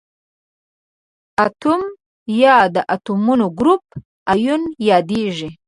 اتوم یا د اتومونو ګروپ ایون یادیږي.